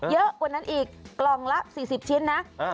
เยอะกว่านั้นอีกกล่องละสี่สิบชิ้นน่ะเออ